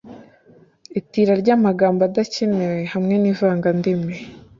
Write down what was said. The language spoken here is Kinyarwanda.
itira ry’amagambo adakenewe hamwe n’ivangandimi.